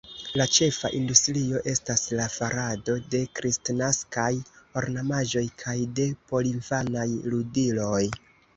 La ĉefa industrio estas la farado de kristnaskaj ornamaĵoj kaj de porinfanaj ludiloj.